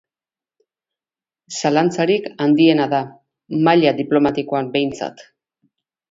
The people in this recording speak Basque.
Zalantzarik handiena da, maila diplomatikoan, behintzat.